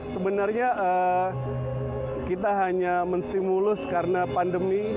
sebenarnya kita hanya menstimulus karena pandemi